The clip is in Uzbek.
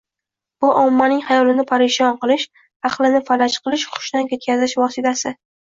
bu – ommaning xayolini parishon qilish, aqlini falaj qilish, hushini ketkazish vositasi.